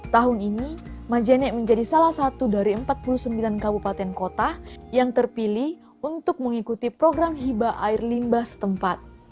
tahun ini majene menjadi salah satu dari empat puluh sembilan kabupaten kota yang terpilih untuk mengikuti program hiba air limba setempat